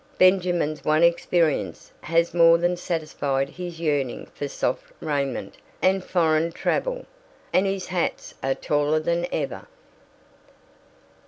Benjamin's one experience has more than satisfied his yearning for soft raiment and foreign travel, and his hats are taller than ever.